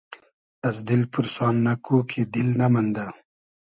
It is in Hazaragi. از دیل پورسان نئکو کی دیل نئمئندۂ